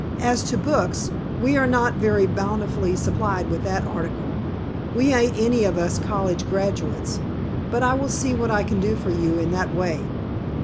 As to books, we are not very bountifully supplied with that article. We ain't any of us college graduates, but I will see what I can do for you in that way.